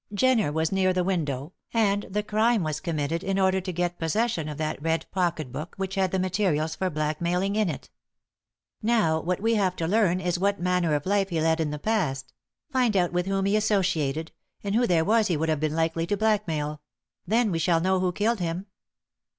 Jenner was near the window, and the crime was committed in order to get possession of that red pocket book which had the materials for blackmailing in it. Now, what we have to learn is what manner of life he led in the past; find out with whom he associated, and who there was he would have been likely to blackmail then we shall know who killed him.